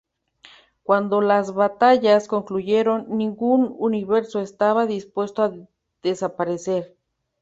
Cuando las batallas concluyeron, ningún universo estaba dispuesto a desaparecer.